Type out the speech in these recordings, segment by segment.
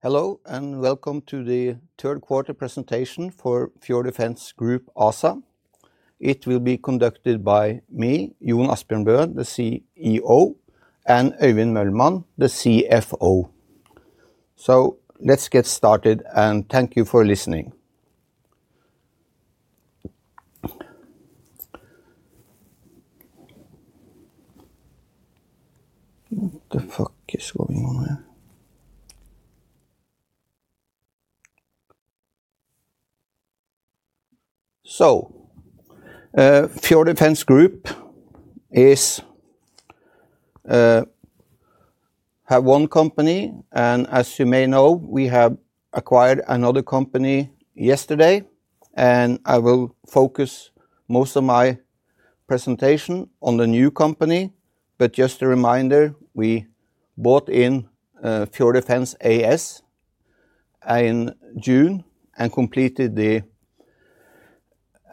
Hello and welcome to the third quarter presentation for Fjord Defence Group ASA. It will be conducted by me, Jon Asbjørn Bø, the CEO, and Øyvind Mølmann, the CFO. Let's get started, and thank you for listening. Fjord Defence Group is one company, and as you may know, we have acquired another company yesterday. I will focus most of my presentation on the new company. Just a reminder, we bought in Fjord Defence AS in June and completed the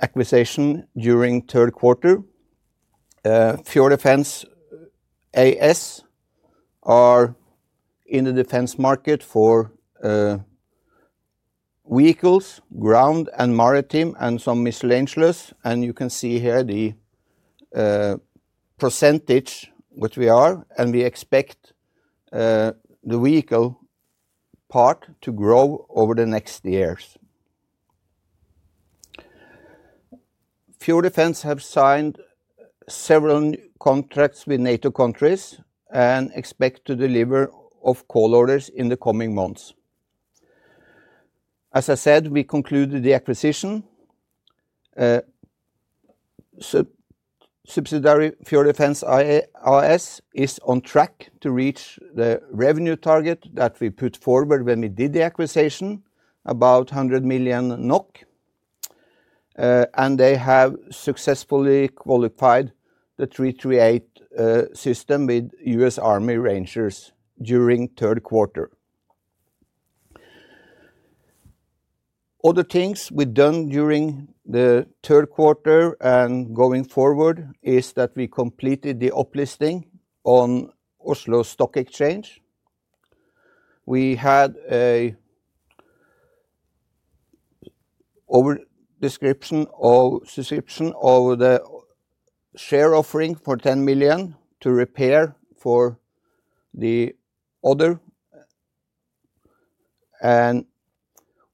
acquisition during third quarter. Fjord Defence AS is in the defence market for vehicles, ground and maritime, and some missile-less. You can see here the percentage which we are, and we expect the vehicle part to grow over the next years. Fjord Defence has signed several contracts with NATO countries and expects to deliver call orders in the coming months. As I said, we concluded the acquisition. Subsidiary Fjord Defence AS is on track to reach the revenue target that we put forward when we did the acquisition, about 100 million NOK. They have successfully qualified the 338 system with US Army Rangers during third quarter. Other things we've done during the third quarter and going forward is that we completed the uplisting on Oslo Stock Exchange. We had an over-description of the share offering for 10 million to repair for the other.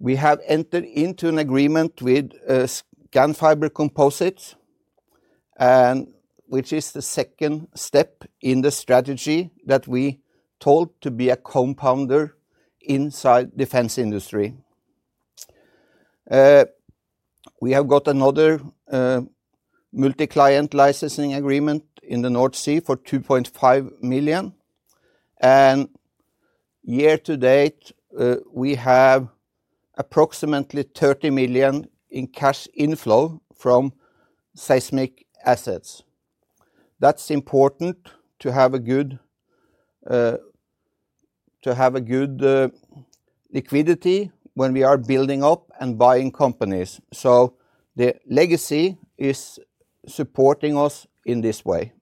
We have entered into an agreement with Scanfiber Composites, which is the second step in the strategy that we told to be a compounder inside the defence industry. We have got another multi-client licensing agreement in the North Sea for 2.5 million. Year to date, we have approximately 30 million in cash inflow from seismic assets. That is important to have good liquidity when we are building up and buying companies. The legacy is supporting us in this way.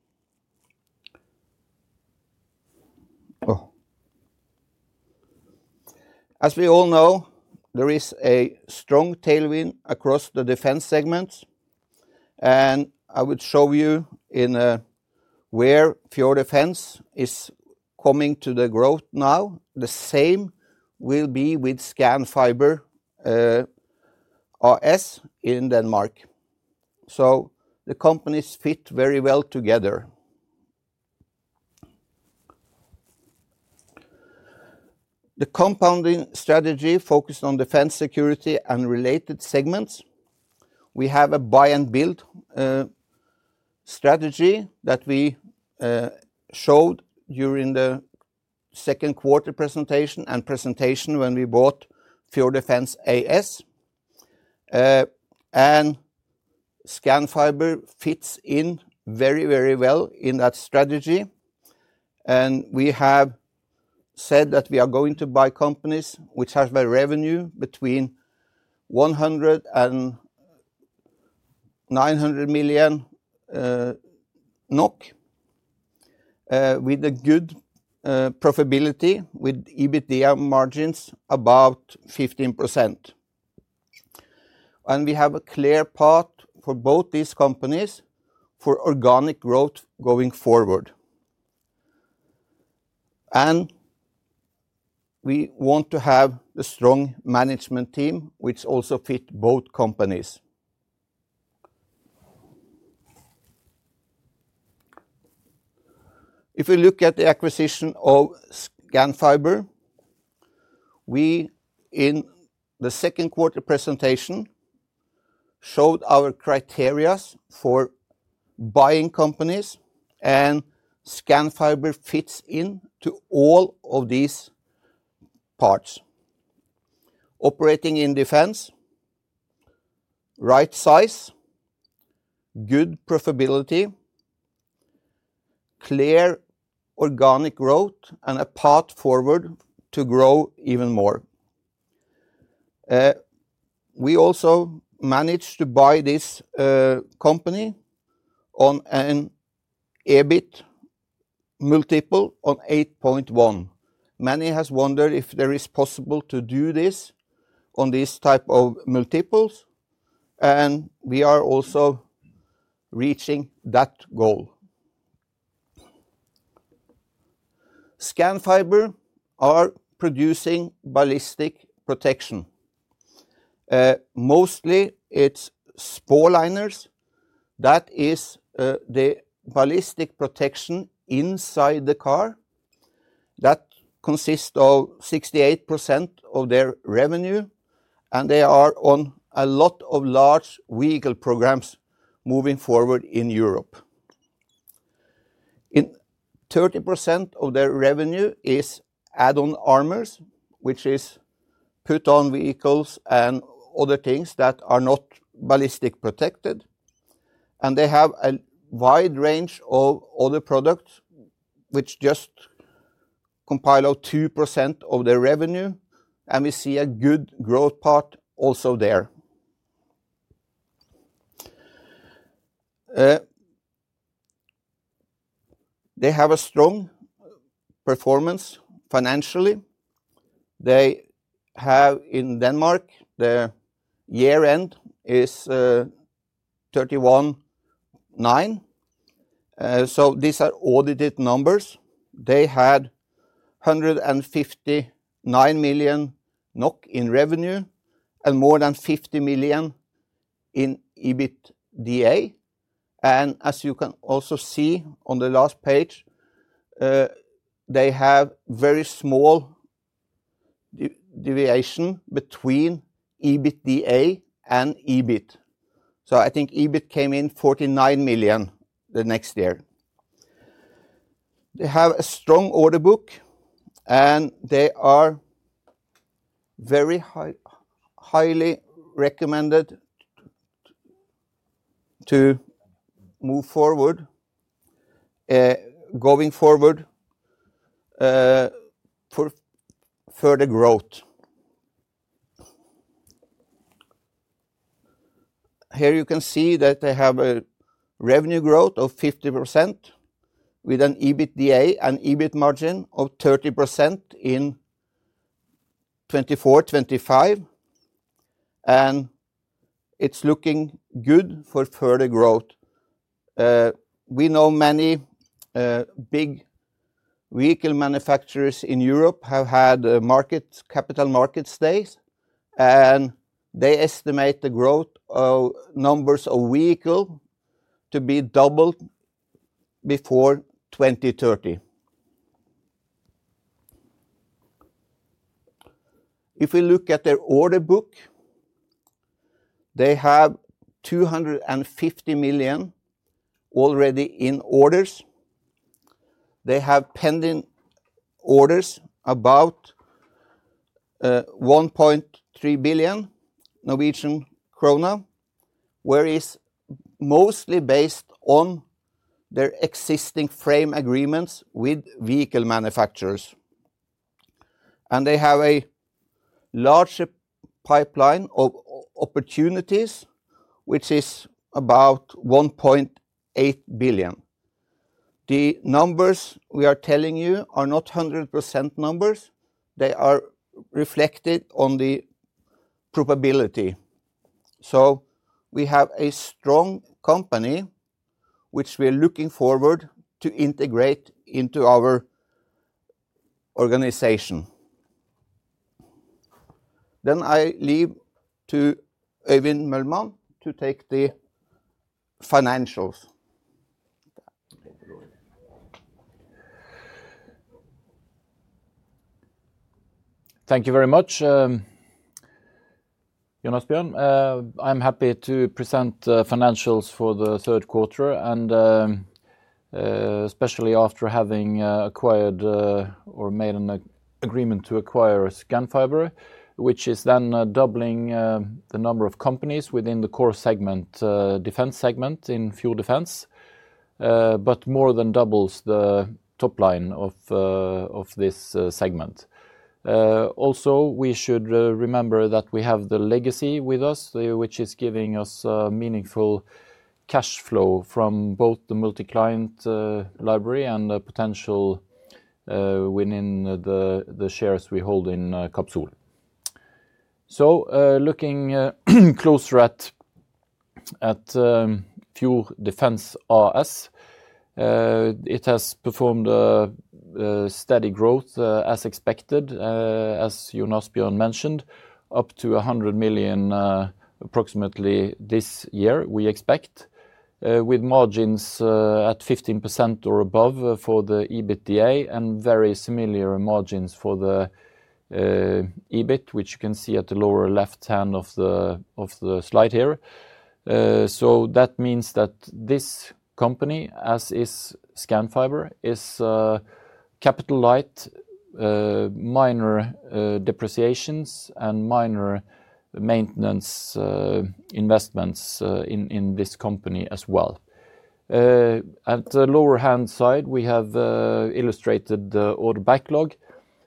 As we all know, there is a strong tailwind across the defence segments. I would show you where Fjord Defence is coming to the growth now. The same will be with Scanfiber A/S in Denmark. The companies fit very well together. The compounding strategy focused on defence security and related segments. We have a buy and build strategy that we showed during the second quarter presentation and presentation when we bought Fjord Defence AS. Scanfiber fits in very, very well in that strategy. We have said that we are going to buy companies which have a revenue between 100 and 900 million NOK, with good profitability, with EBITDA margins about 15%. We have a clear path for both these companies for organic growth going forward. We want to have a strong management team which also fits both companies. If we look at the acquisition of Scanfiber, we in the second quarter presentation showed our criteria for buying companies, and Scanfiber fits into all of these parts. Operating in defence, right size, good profitability, clear organic growth, and a path forward to grow even more. We also managed to buy this company on an EBIT multiple of 8.1. Many have wondered if it is possible to do this on this type of multiples. We are also reaching that goal. Scanfiber is producing ballistic protection. Mostly it's spall liners. That is the ballistic protection inside the car. That consists of 68% of their revenue. They are on a lot of large vehicle programs moving forward in Europe. 30% of their revenue is add-on armors, which is put on vehicles and other things that are not ballistic protected. They have a wide range of other products which just compile 2% of their revenue. We see a good growth path also there. They have a strong performance financially. They have in Denmark, the year-end is 31.9. These are audited numbers. They had 159 million NOK in revenue and more than 50 million in EBITDA. As you can also see on the last page, they have very small deviation between EBITDA and EBIT. I think EBIT came in 49 million the next year. They have a strong order book, and they are very highly recommended to move forward, going forward for further growth. Here you can see that they have a revenue growth of 50% with an EBITDA and EBIT margin of 30% in 2024-2025. It is looking good for further growth. We know many big vehicle manufacturers in Europe have had capital market stays. They estimate the growth of numbers of vehicles to be doubled before 2030. If we look at their order book, they have 250 million already in orders. They have pending orders about 1.3 billion Norwegian krone, where it is mostly based on their existing frame agreements with vehicle manufacturers. They have a larger pipeline of opportunities, which is about 1.8 billion. The numbers we are telling you are not 100% numbers. They are reflected on the probability. We have a strong company which we are looking forward to integrate into our organization. I leave to Øyvind Mølmann to take the financials. Thank you very much, Jon Asbjørn. I'm happy to present financials for the third quarter, and especially after having acquired or made an agreement to acquire Scanfiber, which is then doubling the number of companies within the core segment, defence segment in Fjord Defence, but more than doubles the top line of this segment. Also, we should remember that we have the legacy with us, which is giving us meaningful cash flow from both the multi-client library and the potential within the shares we hold in Capsol. Looking closer at Fjord Defence AS, it has performed steady growth as expected, as Jon Asbjørn mentioned, up to 100 million approximately this year, we expect, with margins at 15% or above for the EBITDA and very similar margins for the EBIT, which you can see at the lower left hand of the slide here. That means that this company, as is Scanfiber, is capitalized minor depreciations and minor maintenance investments in this company as well. At the lower hand side, we have illustrated the order backlog.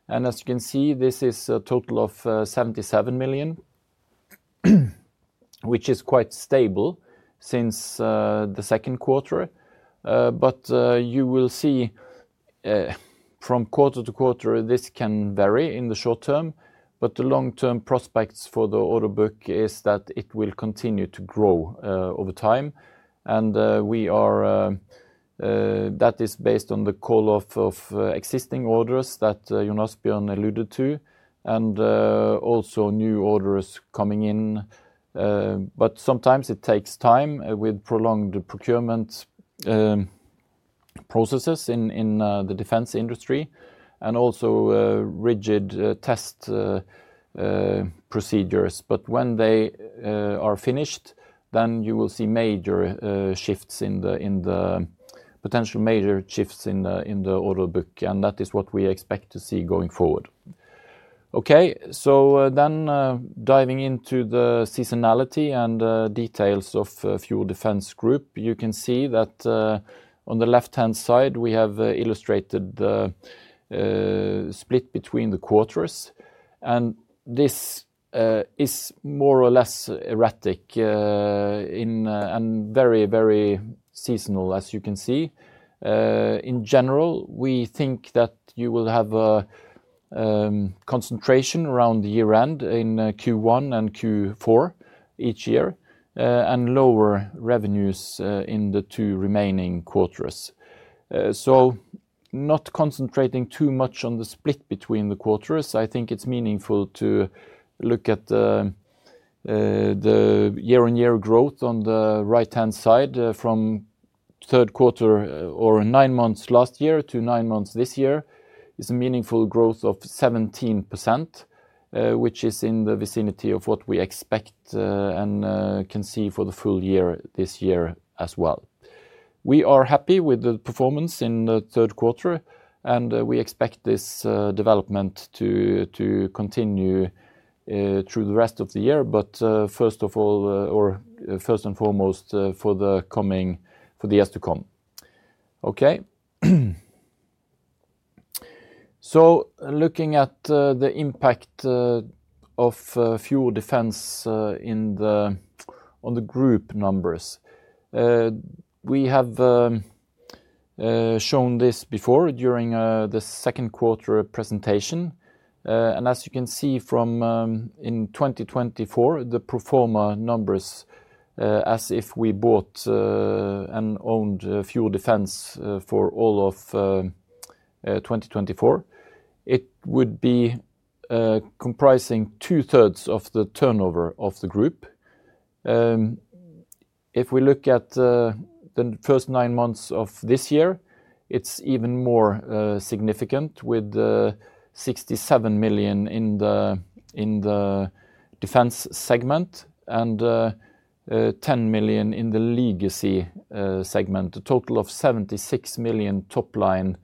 As you can see, this is a total of 77 million, which is quite stable since the second quarter. You will see from quarter to quarter, this can vary in the short term. The long-term prospects for the order book is that it will continue to grow over time. That is based on the call off of existing orders that Jon Asbjørn alluded to, and also new orders coming in. Sometimes it takes time with prolonged procurement processes in the defence industry, and also rigid test procedures. When they are finished, then you will see major shifts in the potential major shifts in the order book. That is what we expect to see going forward. Okay, diving into the seasonality and details of Fjord Defence Group, you can see that on the left-hand side, we have illustrated the split between the quarters. This is more or less erratic and very, very seasonal, as you can see. In general, we think that you will have a concentration around the year-end in Q1 and Q4 each year, and lower revenues in the two remaining quarters. Not concentrating too much on the split between the quarters, I think it's meaningful to look at the year-on-year growth on the right-hand side from the third quarter or nine months last year to nine months this year. It's a meaningful growth of 17%, which is in the vicinity of what we expect and can see for the full year this year as well. We are happy with the performance in the third quarter, and we expect this development to continue through the rest of the year, but first of all, or first and foremost for the coming years to come. Okay. Looking at the impact of Fjord Defence on the group numbers, we have shown this before during the second quarter presentation. As you can see from in 2024, the proforma numbers, as if we bought and owned Fjord Defence for all of 2024, it would be comprising two-thirds of the turnover of the group. If we look at the first nine months of this year, it is even more significant with 67 million in the defence segment and 10 million in the legacy segment, a total of 76 million top line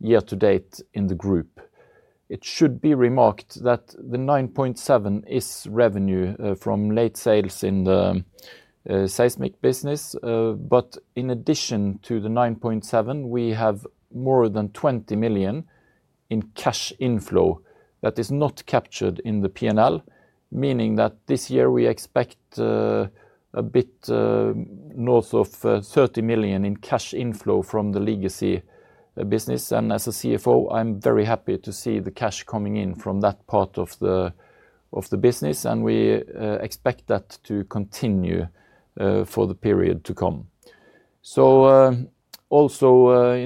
year-to-date in the group. It should be remarked that the 9.7 million is revenue from late sales in the seismic business. In addition to the 9.7 million, we have more than 20 million in cash inflow that is not captured in the P&L, meaning that this year we expect a bit north of 30 million in cash inflow from the legacy business. As a CFO, I'm very happy to see the cash coming in from that part of the business. We expect that to continue for the period to come. In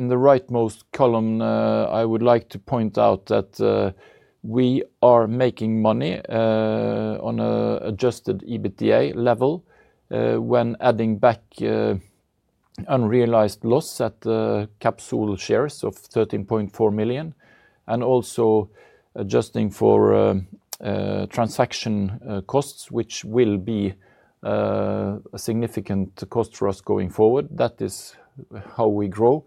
the rightmost column, I would like to point out that we are making money on an adjusted EBITDA level when adding back unrealized loss at Capsol shares of 13.4 million, and also adjusting for transaction costs, which will be a significant cost for us going forward. That is how we grow.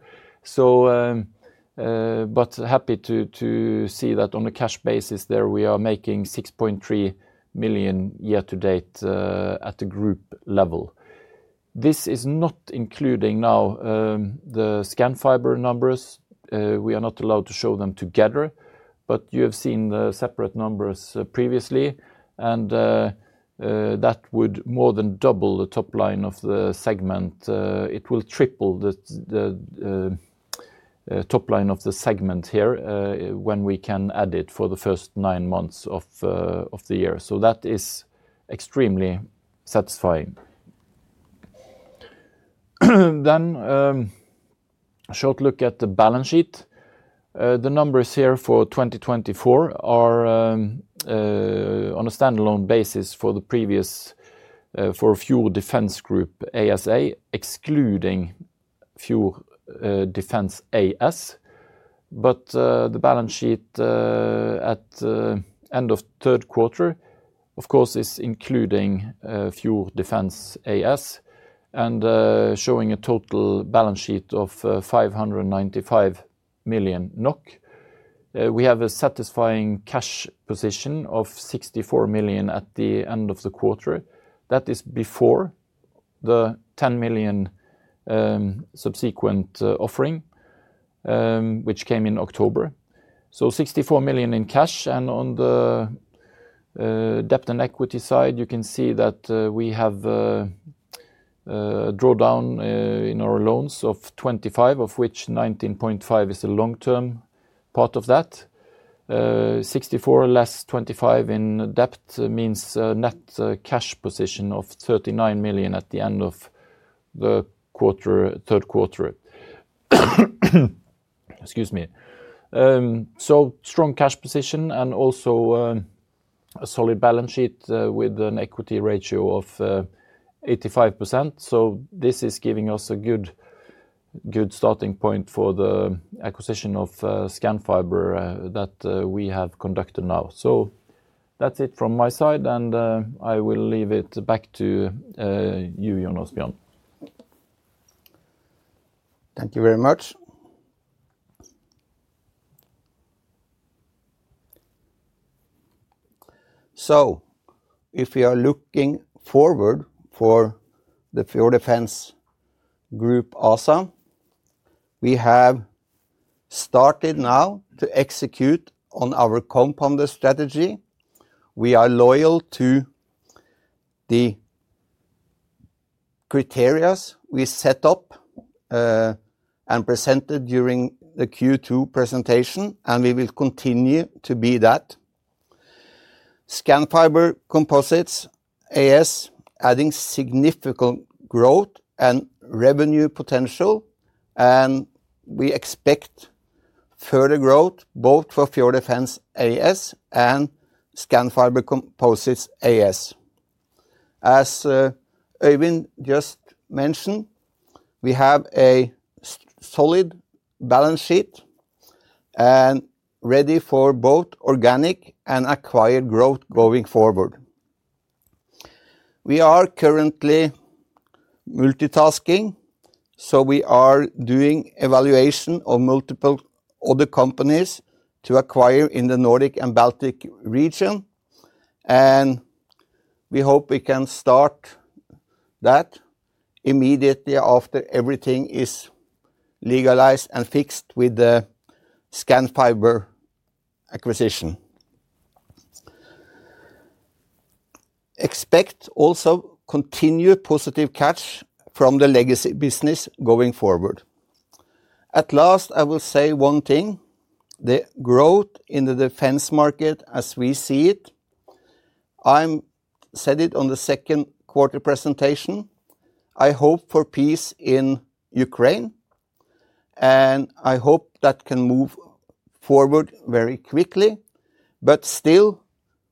Happy to see that on a cash basis there, we are making 6.3 million year-to-date at the group level. This is not including now the Scanfiber numbers. We are not allowed to show them together, but you have seen the separate numbers previously. That would more than double the top line of the segment. It will triple the top line of the segment here when we can add it for the first nine months of the year. That is extremely satisfying. A short look at the balance sheet. The numbers here for 2024 are on a standalone basis for the previous for Fjord Defence Group ASA, excluding Fjord Defence AS. The balance sheet at the end of third quarter, of course, is including Fjord Defence AS and showing a total balance sheet of 595 million NOK. We have a satisfying cash position of 64 million at the end of the quarter. That is before the 10 million subsequent offering, which came in October. 64 million in cash. On the debt and equity side, you can see that we have a drawdown in our loans of 25 million, of which 19.5 million is the long-term part of that. 64 million less 25 million in debt means a net cash position of 39 million at the end of the third quarter. Excuse me. Strong cash position and also a solid balance sheet with an equity ratio of 85%. This is giving us a good starting point for the acquisition of Scanfiber that we have conducted now. That is it from my side. I will leave it back to you, Jon Asbjørn. Thank you very much. If we are looking forward for the Fjord Defence Group ASA, we have started now to execute on our compounder strategy. We are loyal to the criterias we set up and presented during the Q2 presentation, and we will continue to be that. Scanfiber Composites A/S, adding significant growth and revenue potential, and we expect further growth both for Fjord Defence AS and Scanfiber Composites A/S. As Øyvind just mentioned, we have a solid balance sheet and ready for both organic and acquired growth going forward. We are currently multitasking, so we are doing evaluation of multiple other companies to acquire in the Nordic and Baltic region. We hope we can start that immediately after everything is legalized and fixed with the Scanfiber acquisition. Expect also continued positive cash from the legacy business going forward. At last, I will say one thing: the growth in the defence market as we see it. I said it on the second quarter presentation. I hope for peace in Ukraine, and I hope that can move forward very quickly. Still,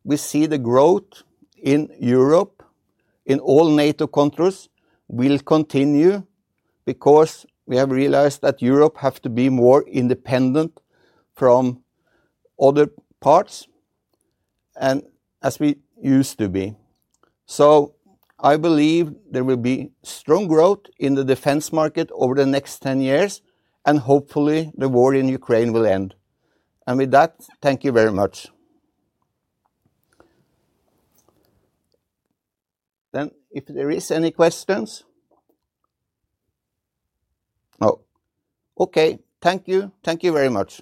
we see the growth in Europe, in all NATO countries, will continue because we have realized that Europe has to be more independent from other parts and as we used to be. I believe there will be strong growth in the defence market over the next 10 years, and hopefully the war in Ukraine will end. With that, thank you very much. If there are any questions. No. Okay, thank you. Thank you very much.